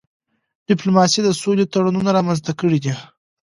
ډيپلوماسی د سولي تړونونه رامنځته کړي دي.